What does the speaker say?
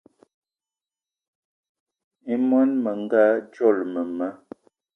I món menga dzolo mema